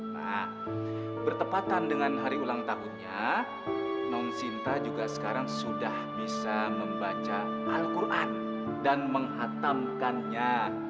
nah bertepatan dengan hari ulang tahunnya nonsinta juga sekarang sudah bisa membaca alquran dan menghatamkannya